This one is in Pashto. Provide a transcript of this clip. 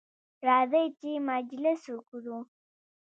راځئ چې مجلس وکړو.